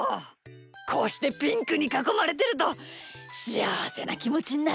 こうしてピンクにかこまれてるとしあわせなきもちになるんだ。